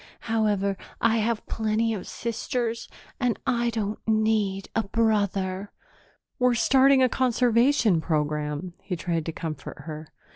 However, I have plenty of sisters and I don't need a brother." "We're starting a conservation program," he tried to comfort her.